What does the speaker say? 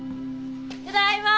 ただいま！